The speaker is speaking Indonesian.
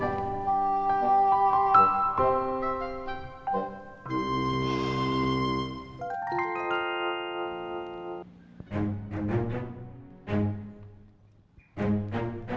agak sudah pulang mah